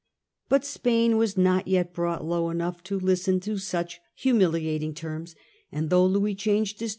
But Spain was not yet brought low enough to listen to such humiliating terms, and though Louis changed his